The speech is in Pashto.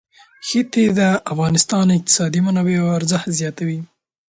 ښتې د افغانستان د اقتصادي منابعو ارزښت زیاتوي.